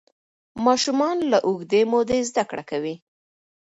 ماشومان له اوږدې مودې زده کړه کوي.